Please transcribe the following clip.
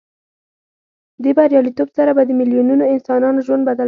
دې بریالیتوب سره به د میلیونونو انسانانو ژوند بدل شي.